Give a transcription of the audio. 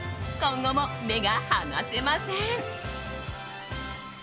今後も目が離せません。